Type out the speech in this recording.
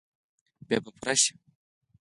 بیا به پوره شي ؟